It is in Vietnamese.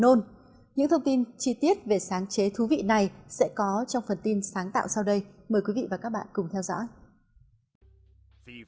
những thông tin chi tiết về sáng chế thú vị này sẽ có trong phần tin sáng tạo sau đây mời quý vị và các bạn cùng theo dõi